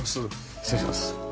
失礼します。